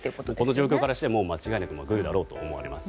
この状況からして間違いなくグルだと思われます。